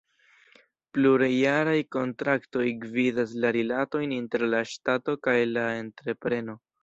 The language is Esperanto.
Plurjaraj kontraktoj gvidas la rilatojn inter la Ŝtato kaj la entrepreno.